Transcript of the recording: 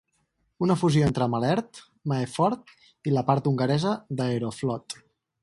Una fusió entre "Malert", "Maefort" i la part hongaresa d'"Aeroflot".